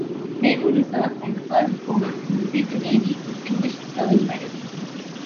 Naval Reserve and the first woman to receive the Navy Distinguished Service Medal.